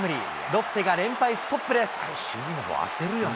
ロッテが連敗ストップです。